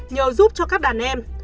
nhờ giúp cho các đàn em